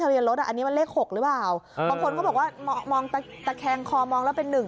เบียนรถอ่ะอันนี้มันเลข๖หรือเปล่าบางคนเขาบอกว่ามองตะแคงคอมองแล้วเป็นหนึ่ง